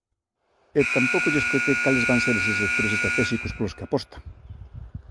E tampouco lle escoitei cales van ser eses sectores estratéxicos polos que apostan.